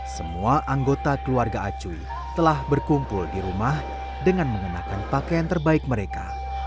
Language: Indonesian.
semua anggota keluarga acuy telah berkumpul di rumah dengan mengenakan pakaian terbaik mereka